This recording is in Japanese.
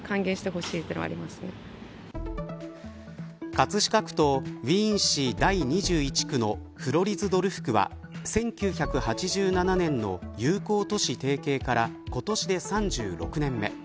葛飾区とウィーン市第２１区のフロリズドルフ区は１９８７年の友好都市提携から今年で３６年目。